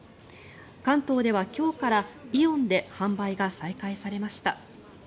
関東では今日からイオンで販売が再開されました。